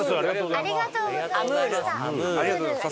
ありがとうございます。